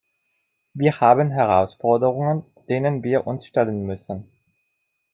Wir haben Herausforderungen, denen wir uns stellen müssen.